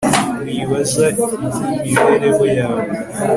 wibaza iby'imibereho yawe